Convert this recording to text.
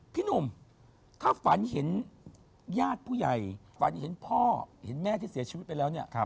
พี่หนุ่มถ้าฝันเห็นญาติผู้ใหญ่ฝันเห็นพ่อเห็นแม่ที่เสียชีวิตไปแล้วเนี่ย